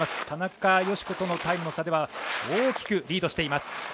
田中佳子とのタイムの差では大きくリードしています。